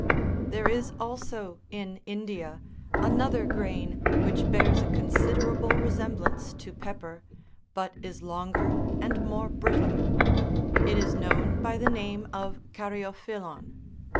There is, also, in India another grain which bears a consi derable resemblance to pepper, but is longer and more brittle ; it is known by the name of caryophyllon.